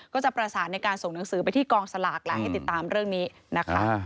ก็จะประสานในการส่งหนังสือไปที่กองสลากแหละให้ติดตามเรื่องนี้นะคะ